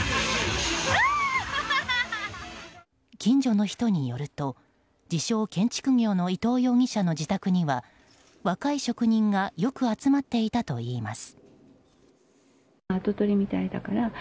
近所の人によると自称建築業の伊藤容疑者の自宅には若い職人がよく集まっていたといいます。